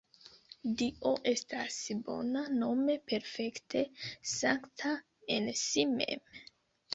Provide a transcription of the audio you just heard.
Dio estas bona, nome perfekte sankta en si mem.